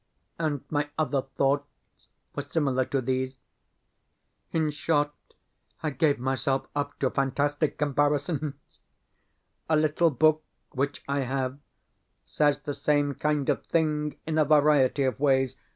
And my other thoughts were similar to these. In short, I gave myself up to fantastic comparisons. A little book which I have says the same kind of thing in a variety of ways.